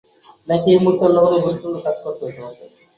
নাকি এই মুহুর্তে অন্যকোন গুরুত্বপূর্ণ কাজ করতে হবে তোমাকে?